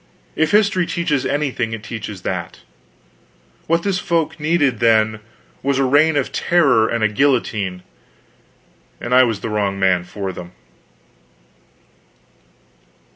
If history teaches anything, it teaches that. What this folk needed, then, was a Reign of Terror and a guillotine, and I was the wrong man for them.